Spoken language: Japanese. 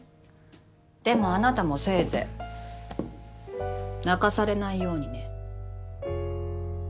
でもあなたもせいぜい泣かされないようにね。